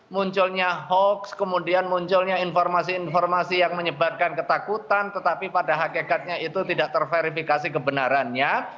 munculnya hoax kemudian munculnya informasi informasi yang menyebarkan ketakutan tetapi pada hakikatnya itu tidak terverifikasi kebenarannya